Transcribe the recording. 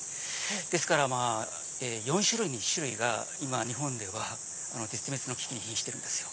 ですから４種類に１種類が日本では絶滅の危機に瀕している。